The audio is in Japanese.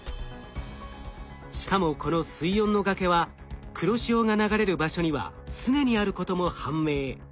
しかもこの水温の崖は黒潮が流れる場所には常にあることも判明。